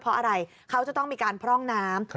เพราะอะไรเขาจะต้องมีการพร่องน้ำ